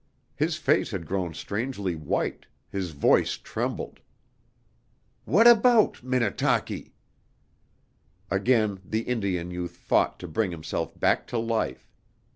His face had grown strangely white, his voice trembled. "What about Minnetaki?" Again the Indian youth fought to bring himself back to life.